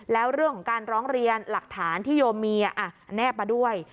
แล้วเรื่องของการร้องเรียนหลักฐานที่โยเมียแนบมาด้วย